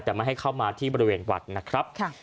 แต่ไม่ให้เข้ามาที่บริเวณวัดนะครับ